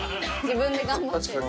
自分で頑張った。